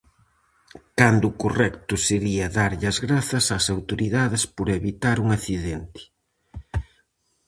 Cando o correcto sería darlle as grazas ás autoridades por evitar un accidente.